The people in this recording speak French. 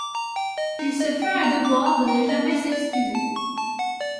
Il se fait un devoir de ne jamais s'excuser.